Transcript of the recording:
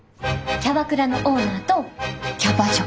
キャバクラのオーナーとキャバ嬢。